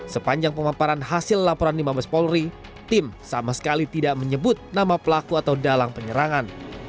sepanjang pemamparan hasil laporan di mabes polri tim sama sekali tidak menyebut nama pelaku atau dalang penyerangan